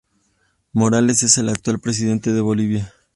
Morales es el actual presidente de Bolivia.